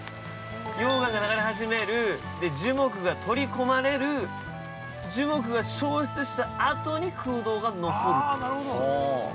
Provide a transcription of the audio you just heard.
溶岩が流れ始める、樹木が取り込まれる、樹木が焼失した後に空洞が残るという。